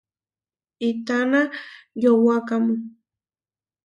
¿Itána yowákamu?